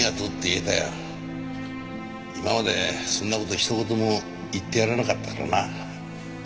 今までそんな事一言も言ってやらなかったからな。